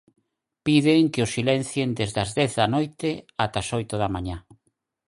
Piden que o silencien desde as dez da noite ata as oito da mañá.